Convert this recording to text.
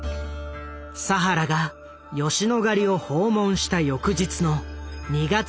佐原が吉野ヶ里を訪問した翌日の２月２３日